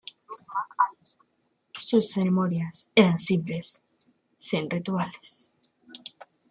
Sus ceremonias eran simples, sin rituales.